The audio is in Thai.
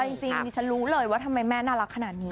เอาจริงดิฉันรู้เลยว่าทำไมแม่น่ารักขนาดนี้